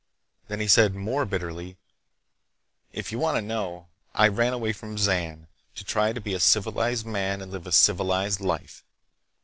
Then he said more bitterly: "If you want to know, I ran away from Zan to try to be a civilized man and live a civilized life.